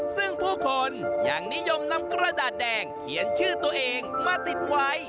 ซึ่งผู้คนยังนิยมนำกระดาษแดงเขียนชื่อตัวเองมาติดไว้